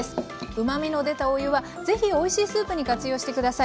うまみの出たお湯はぜひおいしいスープに活用して下さい。